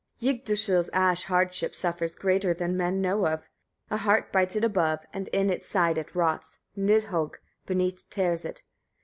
35. Yggdrasil's ash hardship suffers greater than men know of; a hart bites it above, and in its side it rots, Nidhögg beneath tears it.